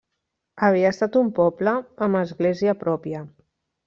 Havia estat un poble, amb església pròpia.